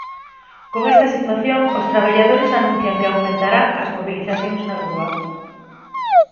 Con esta situación, os traballadores anuncian que aumentarán as mobilizacións na rúa.